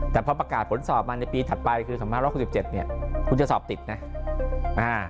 แต่พอประกาศผลสอบในปีถัดไปคือภาค๑๖๗นะคุณจะสอบติดนะ